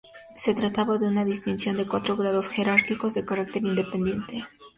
Se trataba de una distinción de cuatro grados jerárquicos de carácter independiente.